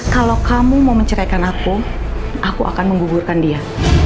kalau kamu mau menceraikan aku aku akan menggugurkan dia